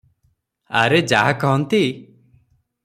ଆରେ ଯାହା କହନ୍ତି -